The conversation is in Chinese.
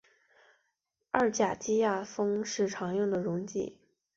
二甲基亚砜是常用的溶剂。